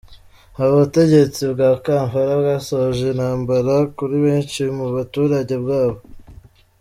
Ubutegetsi bwa Kampala bwashoje intambara kuri benshi mu baturage babwo.